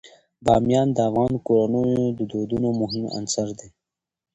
بامیان د افغان کورنیو د دودونو مهم عنصر دی.